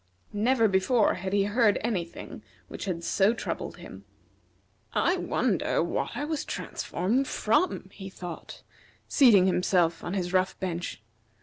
Never before had he heard any thing which had so troubled him. "I wonder what I was transformed from?" he thought, seating himself on his rough bench.